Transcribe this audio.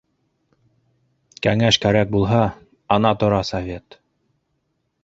Кәңәш кәрәк булһа, ана тора Совет.